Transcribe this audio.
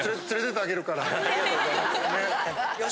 ありがとうございます。